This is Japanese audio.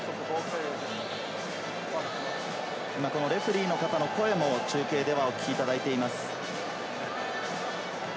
レフェリーの方の声も中継でお聞きいただいています。